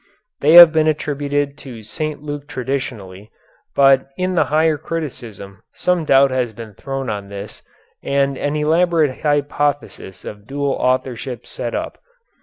They have been attributed to St. Luke traditionally, but in the higher criticism some doubt has been thrown on this and an elaborate hypothesis of dual authorship set up.